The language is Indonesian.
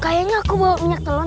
kayaknya aku bawa minyak telur